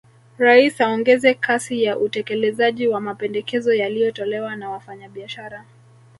Rais aongeze kasi ya utekelezaji wa mapendekezo yaliyotolewa na Wafanyabiashara